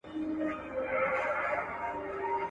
• څه کوه، څه پرېږده.